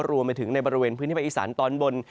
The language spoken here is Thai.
รวมไปถึงในบริเวณพื้นที่ภาคอีสานตอนบน